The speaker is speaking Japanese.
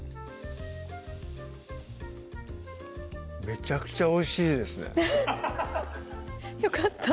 めちゃくちゃおいしいですねよかった